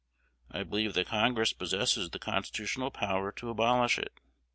I believe that Congress possesses the constitutional power to abolish it.